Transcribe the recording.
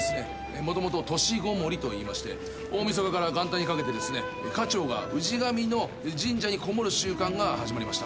もともと年籠りといいまして大晦日から元旦にかけてですね家長が氏神の神社にこもる習慣が始まりました。